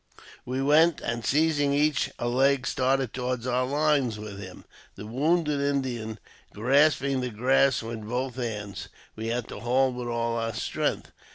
We went, and, seizing each a leg, started toward our lines with him : the wounded Indian grasping the grass with both hands, we had to haul with all our strength.